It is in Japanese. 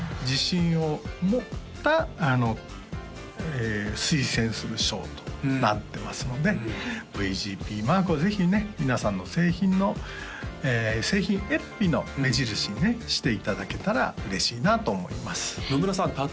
自信を持った推薦する賞となってますのでＶＧＰマークをぜひね皆さんの製品選びの目印にねしていただけたら嬉しいなと思います野村さん